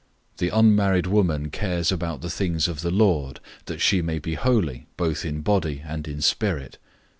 The unmarried woman cares about the things of the Lord, that she may be holy both in body and in spirit.